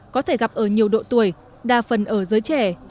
có thể gặp ở nhiều độ tuổi đa phần ở giới trẻ